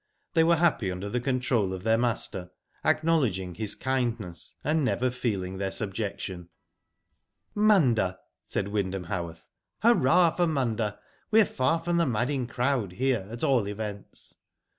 They were happy under the control of their master, acknow ledging his kindness, and never feeling their sub jection. Munda!" said Wyndham Hanworth. ''Hurrah Digitized byGoogk 6o WHO DID ITf for Munda! We're far from the madding crowd, here, at all events."